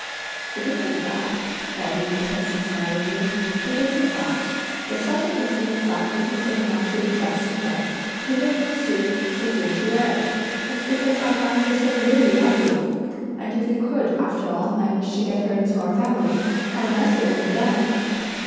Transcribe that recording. "It isn't that," Pao yü protested smilingly, "it isn't that; if such a person as that isn't good enough to be dressed in red, who would forsooth presume to wear it? It's because I find her so really lovely! and if we could, after all, manage to get her into our family, how nice it would be then!"